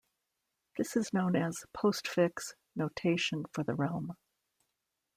This is known as "postfix" notation for the realm.